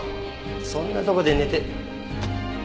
そんなとこで寝て。